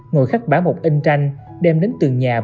ngồi khắc bán một in tranh đem đến tường nhà và ngồi